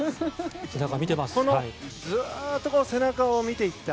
ずっとこの背中を見ていった。